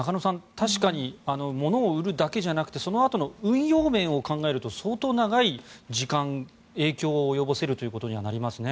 確かに物を売るだけじゃなくてそのあとの運用面を考えると相当長い時間影響を及ぼせるということになりますね。